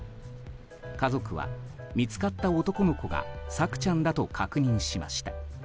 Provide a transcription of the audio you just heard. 家族は、見つかった男の子が朔ちゃんだと確認しました。